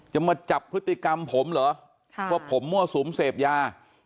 มาจับพฤติกรรมผมเหรอว่าผมมั่วสุมเสพยา